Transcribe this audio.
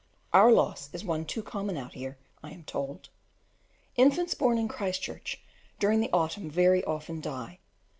Our loss is one too common out here, I am told: infants born in Christchurch during the autumn very often die.